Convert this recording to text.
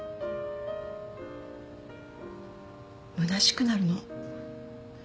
むなしくなるの。